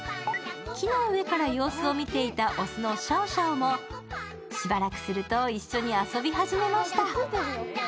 木の上から様子を見ていた雄のシャオシャオもしばらくすると一緒に遊び始めました。